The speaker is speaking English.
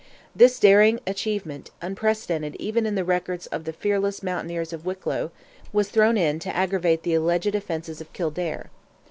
This daring achievement, unprecedented even in the records of the fearless mountaineers of Wicklow, was thrown in to aggravate the alleged offences of Kildare.